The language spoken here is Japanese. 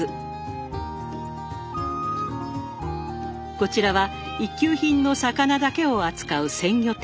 こちらは一級品の魚だけを扱う鮮魚店。